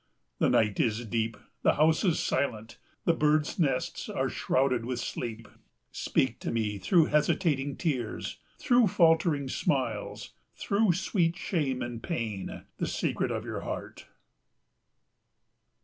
The night is deep, the house is silent, the birds' nests are shrouded with sleep. Speak to me through hesitating tears, through faltering smiles, through sweet shame and pain, the secret of your heart!